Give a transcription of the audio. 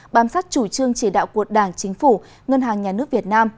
bám sát chủ trương chỉ đạo của đảng chính phủ ngân hàng nhà nước việt nam